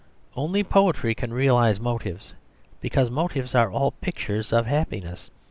Only poetry can realise motives, because motives are all pictures of happiness.